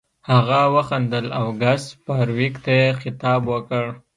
هغه وخندل او ګس فارویک ته یې خطاب وکړ